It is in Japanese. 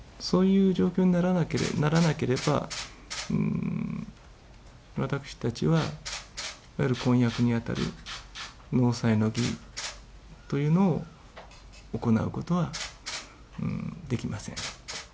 そういう状況にならなければ、私たちは、いわゆる婚約に当たる納采の儀というのを、行うことはできません。